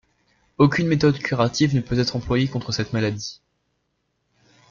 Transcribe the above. Aucune méthode curative ne peut être employée contre cette maladie.